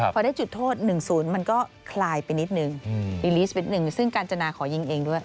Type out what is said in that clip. พอได้จุดโทษ๑๐มันก็คลายไปนิดนึงอีลีสนิดนึงซึ่งกาญจนาขอยิงเองด้วย